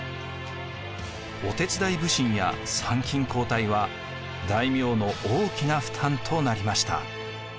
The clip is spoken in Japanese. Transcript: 御手伝普請や参勤交代は大名の大きな負担となりました。